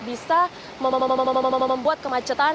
bisa membuat kemacetan